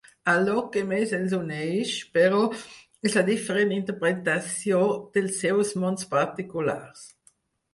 Allò que més els uneix, però, és la diferent interpretació dels seus mons particulars.